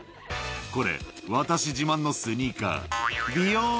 これ、私自慢のスニーカー。